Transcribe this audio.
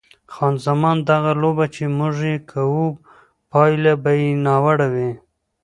خان زمان: دغه لوبه چې موږ یې کوو پایله به یې ناوړه وي.